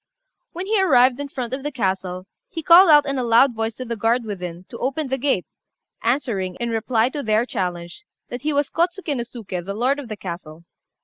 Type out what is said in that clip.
When he arrived in front of the castle, he called out in a loud voice to the guard within to open the gate, answering, in reply to their challenge, that he was Kôtsuké no Suké, the lord of the castle.